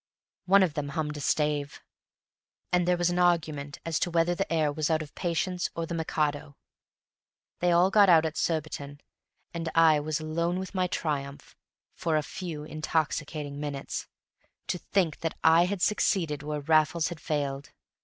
One of them hummed a stave, and there was an argument as to whether the air was out of "Patience" or the "Mikado." They all got out at Surbiton, and I was alone with my triumph for a few intoxicating minutes. To think that I had succeeded where Raffles had failed!